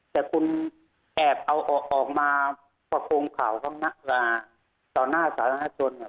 แต่คุณแอบเอาออกมาประคงข่าวต่อหน้าสาธารณะจนเนี่ย